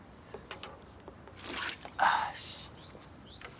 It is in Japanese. よし。